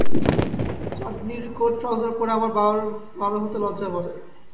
চাঁদনির coat trouser পরে আমার বার হতে লজ্জা করে।